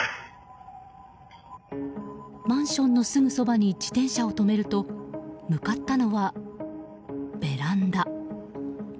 マンションのすぐそばに自転車を止めると向かったのはベランダ。